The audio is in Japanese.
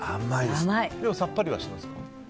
でも、さっぱりはしてますか？